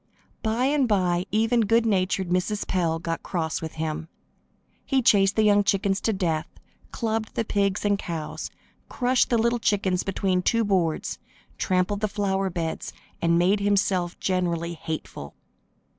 By and by even good natured Mrs. Pell got cross with him. He chased the young chickens to death, clubbed the pigs and cows, crushed the little chickens between two boards, trampled the flower beds and made himself generally hateful.